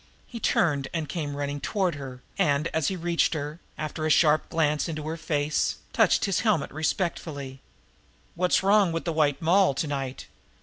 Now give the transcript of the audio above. He turned and came running toward, and, as he reached her, after a sharp glance into her face, touched his helmet respectfully. "What's wrong with the White Moll to night?"